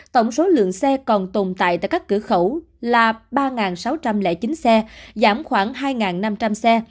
tổng số lượng xe còn tồn tại tại các cửa khẩu là ba sáu trăm linh chín xe giảm khoảng hai năm trăm linh xe